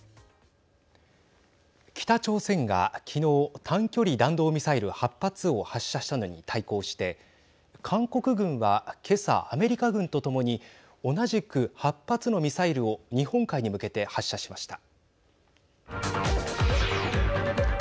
北朝鮮が、きのう短距離弾道ミサイル８発を発射したのに対抗して韓国軍はけさ、アメリカ軍とともに同じく８発のミサイルを日本海に向けて発射しました。